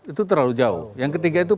itu terlalu jauh yang ketiga itu